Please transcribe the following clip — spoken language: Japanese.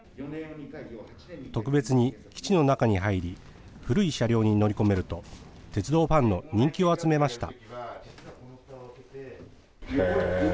特別に基地の中に入り、古い車両に乗り込めると、鉄道ファンの人気を集めました。